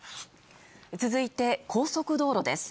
続いて高速道路です。